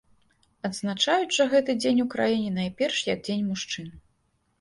Адзначаюць жа гэты дзень у краіне найперш як дзень мужчын.